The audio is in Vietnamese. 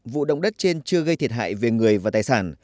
vụ động đất trên chưa gây thiệt hại về người và tài sản